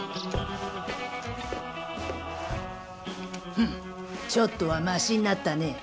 フンちょっとはマシになったね。